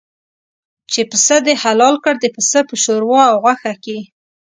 چې پسه دې حلال کړ د پسه په شوروا او غوښه کې.